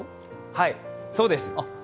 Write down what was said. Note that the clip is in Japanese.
はい、そうです。